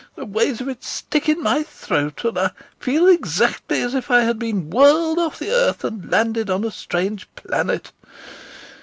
The ways of it stick in my throat and I feel exactly as if I had been whirled off the earth and landed on a strange planet.